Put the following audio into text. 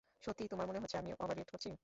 সত্যিই তোমার মনে হচ্ছে আমি ওভার রিয়েক্ট করছি?